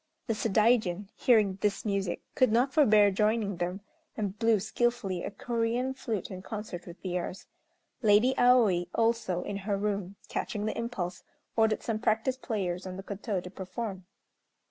The Sadaijin, hearing this music, could not forbear joining them, and blew skilfully a Corean flute in concert with theirs. Lady Aoi, also, in her room, catching the impulse, ordered some practised players on the koto to perform.